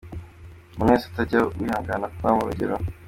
Umuntu wese utajya wihanganira kunywa mu rugero.